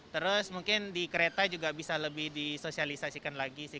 terus mungkin di kereta juga bisa lebih disosialisasikan lagi sih